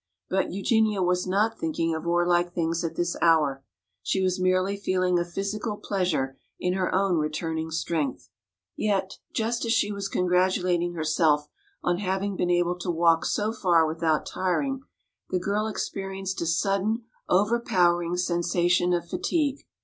But Eugenia was not thinking of warlike things at this hour. She was merely feeling a physical pleasure in her own returning strength. Yet just as she was congratulating herself on having been able to walk so far without tiring, the girl experienced a sudden, overpowering sensation of fatigue.